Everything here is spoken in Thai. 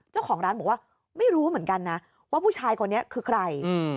เจ้าของร้านบอกว่าไม่รู้เหมือนกันนะว่าผู้ชายคนนี้คือใคร